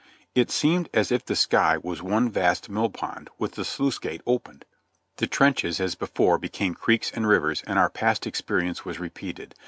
It seemed as if the sky was one vast mill pond with the sluice gate opened. The trenches, as before, became creeks and rivers, and our past experience was repeated.